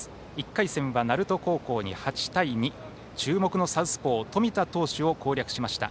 １回戦は鳴門高校に８対２注目のサウスポー冨田投手を攻略しました。